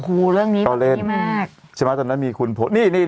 อู้เรื่องนี้มากตอนนั้นมีคุณผู้ชาว